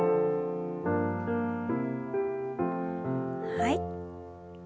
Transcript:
はい。